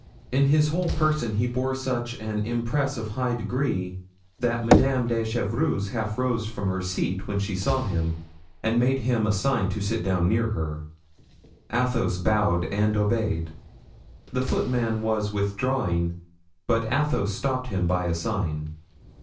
In his whole person he bore such an impress of high degree, that Madame de Chevreuse half rose from her seat when she saw him and made him a sign to sit down near her. Athos bowed and obeyed. The footman was withdrawing, but Athos stopped him by a sign.